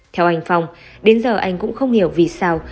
theo anh phong đến giờ anh cũng không hiểu vì sao